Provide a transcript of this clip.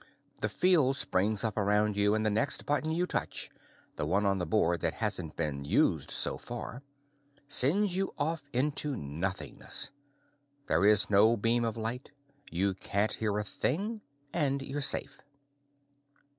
The field springs up around you and the next button you touch the one on the board that hasn't been used so far sends you off into nothingness. There is no beam of light, you can't hear a thing, and you're safe.